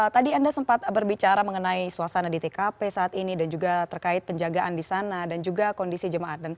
tadi anda sempat berbicara mengenai suasana di tkp saat ini dan juga terkait penjagaan di sana dan juga kondisi jemaat